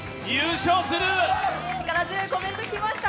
力強いコメントが聞けました。